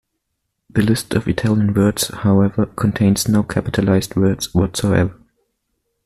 The list of Italian words, however, contains no capitalized words whatsoever.